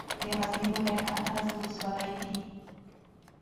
د غزني ولايت اتلس ولسوالۍ دي